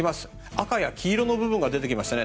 赤や黄色の部分が出てきましたね。